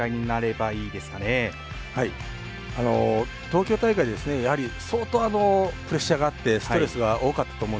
東京大会ですねやはり相当プレッシャーがあってストレスが多かったと思うんですね。